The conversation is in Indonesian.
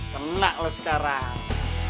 kena lo sekarang